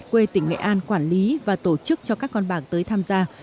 quê tỉnh nghệ an quản lý và tổ chức cho các con bạc tới tham gia